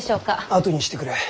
あとにしてくれ。